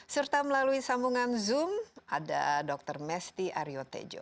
serta melalui sambungan zoom ada dr mesty aryotejo